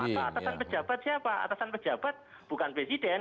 apa atasan pejabat siapa atasan pejabat bukan presiden